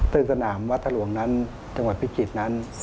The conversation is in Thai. ตึ๊งสนามวัสลวงม์นี้จังหวัดพิจิตย์นั้น